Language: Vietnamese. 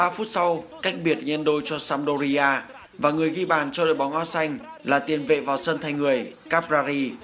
ba phút sau cách biệt nhân đôi cho sampdoria và người ghi bàn cho đội bóng o xanh là tiền vệ cristante